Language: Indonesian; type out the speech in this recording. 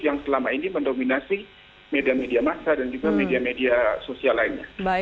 yang selama ini mendominasi media media massa dan juga media media sosial lainnya